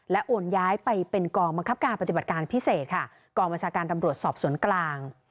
โอนย้ายไปเป็นกองบังคับการปฏิบัติการพิเศษค่ะกองบัญชาการตำรวจสอบสวนกลาง